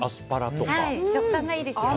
食感がいいですよね。